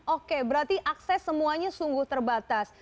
oke berarti akses semuanya sungguh terbatas